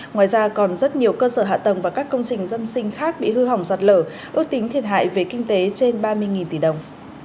ngoài ra còn rất nhiều cơ sở hạ tầng và các công trình dân sinh khác bị hư hỏng sạt lở ước tính thiệt hại về kinh tế trên ba mươi tỷ đồng